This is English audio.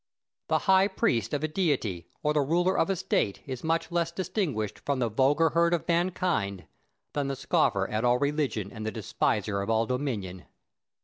The high priest of a deity or the ruler of a state is much less distinguished from the vulgar herd of mankind than the scoffer at all religion and the despiser of all dominion.